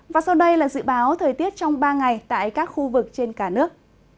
và sau đây là dự báo thời tiết trong ba ngày tại các khu vực trên cả nước